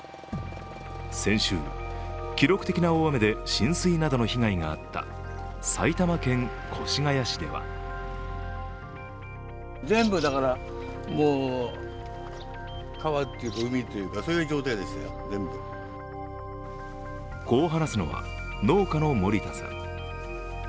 先週、記録的な大雨で浸水などの被害があった埼玉県越谷市ではこう話すのは、農家の森田さん。